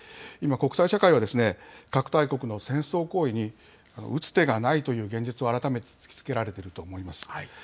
今、国際社会は、核大国の戦争行為に打つ手がないという現実を改めて突きつけられていると思います。